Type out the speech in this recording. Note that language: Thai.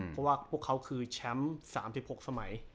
เพราะว่าพวกเขาคือแชมป์๓๖สมัย